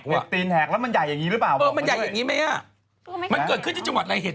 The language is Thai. เห็ดตีนแหกแล้วมันใหญ่อย่างนี้หรือเปล่าบอกมันด้วยมันเกิดขึ้นที่จังหวัดอะไรเหตุ